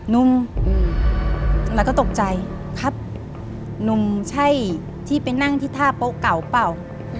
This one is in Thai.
นุ่มแล้วก็ตกใจครับหนุ่มใช่ที่ไปนั่งที่ท่าโป๊ะเก่าเปล่า